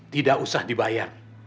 tidak usah dibayar